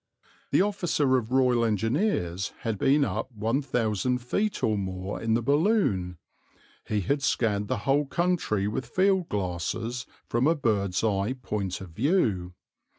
The officer of Royal Engineers had been up 1000 feet or more in the balloon; he had scanned the whole country with field glasses from a bird's eye point of view.